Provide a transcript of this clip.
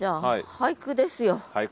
俳句です。